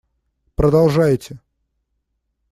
Продолжайте!